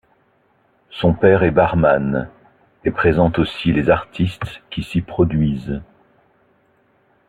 Son père est barman et présente aussi les artistes qui s'y produisent.